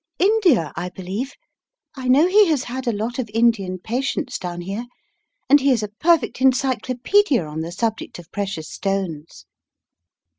"India, I believe. I know he has had a lot of Indian patients down here, and he is a perfect en cyclopedia on the subject of precious stones."